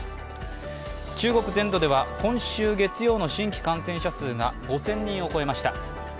中国全土では今週月曜日の新規感染者数が５０００人を超えました。